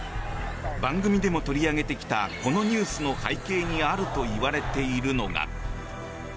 番組でも取り上げてきたこのニュースの背景にあるといわれているのが。